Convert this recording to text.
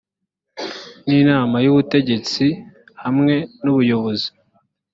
n inama y ubutegetsi hamwe n ubuyobozi